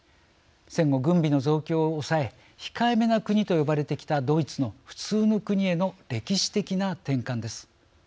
戦後、軍備の増強を抑え控えめな国と呼ばれてきたドイツの普通の国への歴史的な転換です。